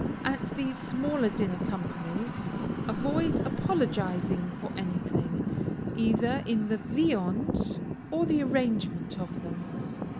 At these smaller dinner companies, avoid apologizing for anything, either in the viands or the arrangement of them.